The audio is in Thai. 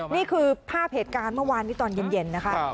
นี่คือภาพเหตุการณ์เมื่อวานนี้ตอนเย็นนะคะ